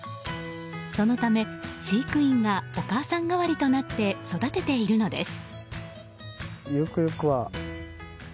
そのため飼育員がお母さん代わりとなって育てているのです。